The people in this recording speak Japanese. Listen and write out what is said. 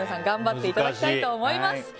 頑張っていただきたいと思います。